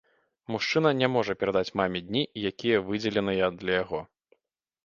Мужчына не можа перадаць маме дні, якія выдзеленыя для яго.